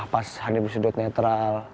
pas hanif sudut netral